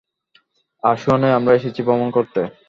আসোয়ানে, আমরা এসেছি ভ্রমণ করতে!